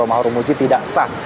romahur muzi tidak sah